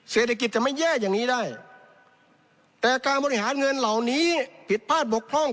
เศรษฐกิจจะไม่แย่อย่างนี้ได้แต่การบริหารเงินเหล่านี้ผิดพลาดบกพร่อง